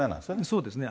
そうですね。